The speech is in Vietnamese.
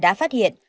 đã phát hiện